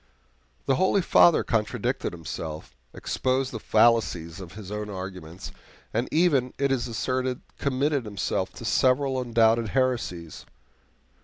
The holy Father contradicted himself, exposed the fallacies of his own arguments, and even, it is asserted, committed himself to several undoubted heresies.